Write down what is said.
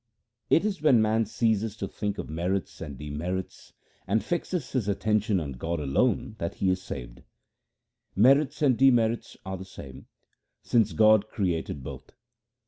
It is when man ceases to think of merits and demerits and fixes his attention on God alone that he is saved :— Merits and demerits are the same ; since God created both.